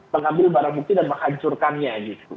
mengambil barang bukti dan menghancurkannya gitu